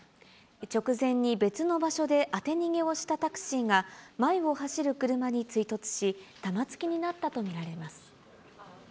直前に別の場所で当て逃げをしたタクシーが、前を走る車に追突し、玉突きになったと見られます。